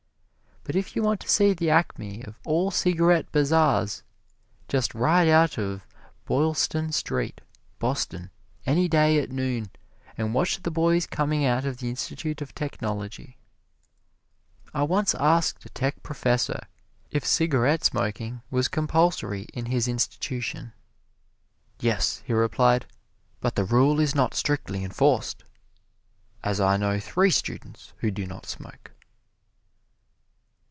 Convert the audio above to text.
But if you want to see the acme of all cigarette bazaars, just ride out of Boylston Street, Boston, any day at noon, and watch the boys coming out of the Institute of Technology. I once asked a Tech Professor if cigarette smoking was compulsory in his institution. "Yes," he replied; "but the rule is not strictly enforced, as I know three students who do not smoke."